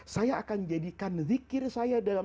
saya akan jadikan zikir saya dalam